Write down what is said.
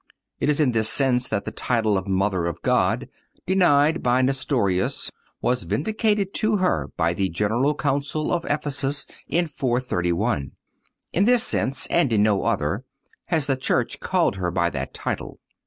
It is in this sense that the title of Mother of God, denied by Nestorius, was vindicated to her by the General Council of Ephesus, in 431; in this sense, and in no other, has the Church called her by that title.